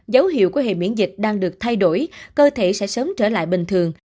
dấu hiệu của hệ miễn dịch đang được thay đổi cơ thể sẽ sớm trở lại bình thường